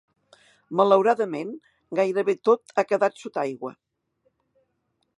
Malauradament, gairebé tot ha quedat sota aigua.